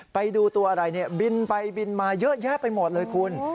ไปดูตัวอะไรเนี่ยบินไปบินมาเยอะแยะไปหมดเลยคุณ